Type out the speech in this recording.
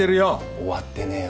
終わってねえわ。